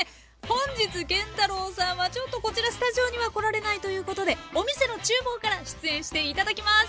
本日建太郎さんはちょっとこちらスタジオには来られないということでお店の厨房から出演して頂きます。